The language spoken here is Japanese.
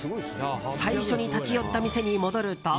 最初に立ち寄った店に戻ると。